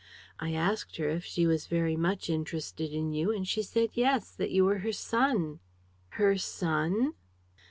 I asked her if she was very much interested in you and she said yes, that you were her son." "Her son!"